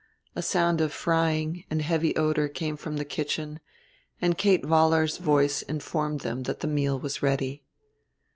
A sound of frying and heavy odor came from the kitchen, and Kate Vollar's voice informed them that the meal was ready.